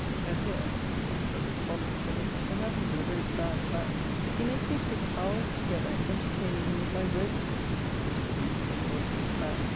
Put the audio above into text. And here [pox of his fondness for me! it happens at a very bad time] he makes me sit hours together entertaining him with my rogueries: (a pretty amusement for a sick man!)